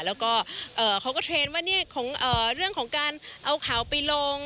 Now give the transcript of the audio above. แล้วก็เขาก็เทรนด์ว่าเรื่องของการเอาข่าวไปลง